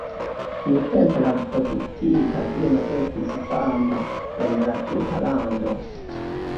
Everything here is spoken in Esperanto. Tiutempe la produktita vino estis fama en la tuta lando.